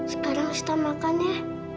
sekarang sita makan ya